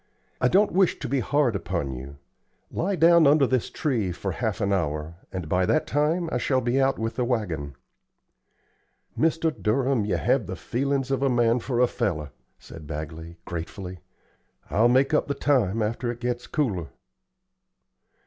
I don't wish to be hard upon you. Lie down under this tree for half an hour, and by that time I shall be out with the wagon." "Mr. Durham, you have the feelin's of a man for a feller," said Bagley, gratefully. "I'll make up the time arter it gets cooler."